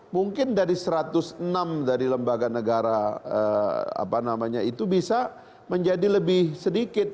mungkin dari satu ratus enam dari lembaga negara apa namanya itu bisa menjadi lebih sedikit